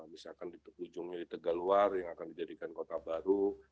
misalkan di ujungnya di tegaluar yang akan dijadikan kota baru